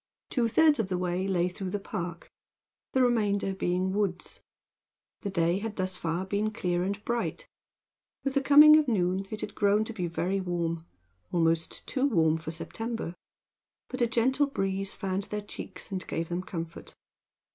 Two thirds of the way lay through the park, the remainder being woods. The day had thus far been clear and bright. With the coming of noon it had grown to be very warm almost too warm for September but a gentle breeze fanned their cheeks and gave them comfort.